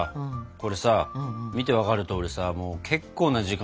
これさ見て分かるとおりさもう結構な時間がかかるわけよ。